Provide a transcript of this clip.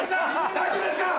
大丈夫ですか！